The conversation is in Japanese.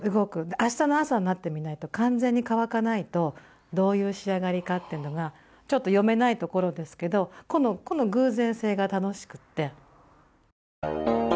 明日の朝になってみないと完全に乾かないとどういう仕上がりかというのがちょっと読めないところですけどこのこの偶然性が楽しくって。